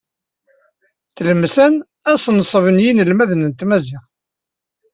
Tlemsan, asenṣeb n yiselmaden n tmaziɣt.